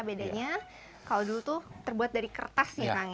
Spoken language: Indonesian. bedanya kalau dulu tuh terbuat dari kertas nih kang